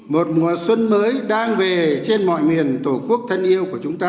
một mùa xuân mới đang về trên mọi miền tổ quốc thân yêu của chúng ta